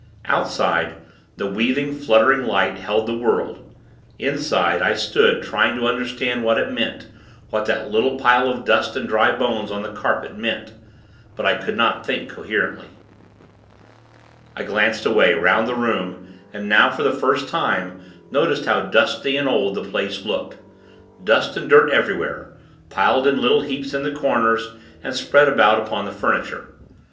Outside, the weaving, fluttering light held the world. Inside, I stood, trying to understand what it meant what that little pile of dust and dry bones, on the carpet, meant. But I could not think, coherently. I glanced away, 'round the room, and now, for the first time, noticed how dusty and old the place looked. Dust and dirt everywhere; piled in little heaps in the corners, and spread about upon the furniture.